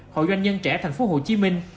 hội doanh nhân trẻ thành phố hồ chí minh